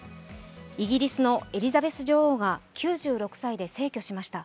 イギリスのエリザベス女王が９６歳で逝去しました。